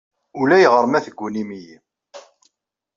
Ulayɣer ma teggunim-iyi.